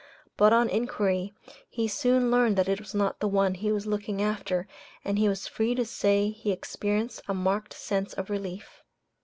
But on inquiry, he soon learned that it was not the one he was looking after, and he was free to say he experienced a marked sense of relief.